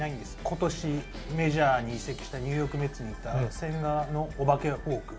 今年メジャーに移籍したニューヨーク・メッツに行った千賀のお化けフォーク。